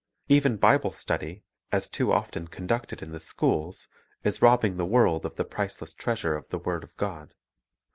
Even Bible study, as too often conducted in the schools, is robbing the world of the priceless treasure of the word of God.